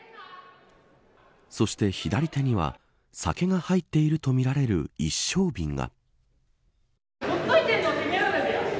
そして左手には酒が入っているとみられる一升瓶が。